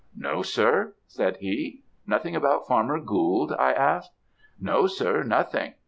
"'No sir,' said he. "'Nothing about farmer Gould?' I asked. "'No sir, nothing.